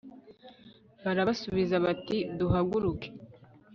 barabasubiza bati duhaguruke